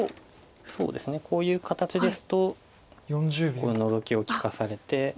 そうですねこういう形ですとここにノゾキを利かされて。